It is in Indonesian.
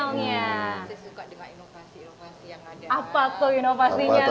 saya suka dengan inovasi inovasi yang ada